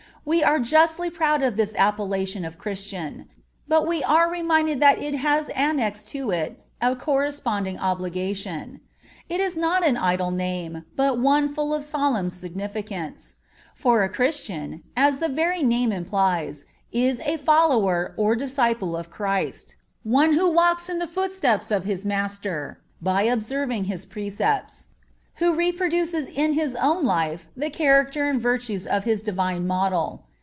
We are justly proud of this appellation of Christian; but we are reminded that it has annexed to it a corresponding obligation. It is not an idle name, but one full of solemn significance; for a Christian, as the very name implies, is a follower or disciple of Christ—one who walks in the footsteps of his Master by observing His precepts; who reproduces in his own life the character and virtues of his Divine Model.